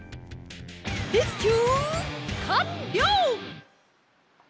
レスキューかんりょう！